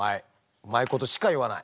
うまいことしか言わない。